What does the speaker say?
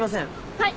はい。